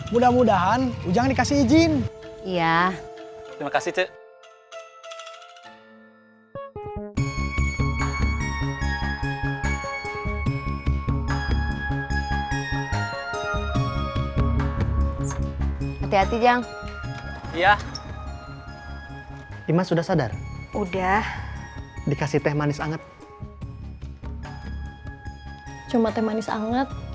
mudah mudahan ujang dikasih izin